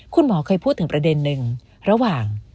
คุณหมอเคยพูดถึงประเด็นหนึ่งระหว่าง